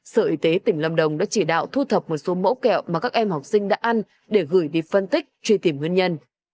sở y tế tỉnh lâm đồng đã chỉ đạo thu thập một số mẫu kẹo mà các em học sinh đã ăn để gửi đi phân tích truy tìm nguyên nhân